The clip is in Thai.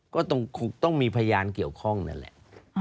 ก็ต้องมีพยานเกี่ยวข้องนั่นแหละ